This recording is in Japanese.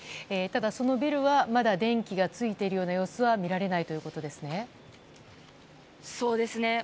ただ、そのビルはまだ、電気がついている様子は見られないということですね。